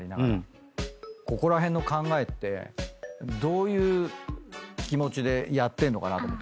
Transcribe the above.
ここら辺の考えってどういう気持ちでやってんのかなと思って。